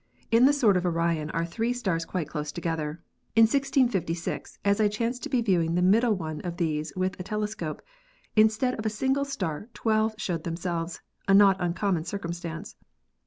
In the sword of Orion are three stars quite close together. In 1656, as I chanced to be viewing the middle one of these with the telescope, instead of a single star twelve showed themselves (a not uncom mon circumstance).